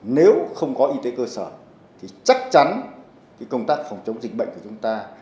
nếu không có y tế cơ sở thì chắc chắn công tác phòng chống dịch bệnh của chúng ta